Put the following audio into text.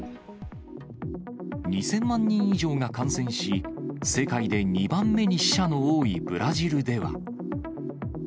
２０００万人以上が感染し、世界で２番目に死者の多いブラジルでは。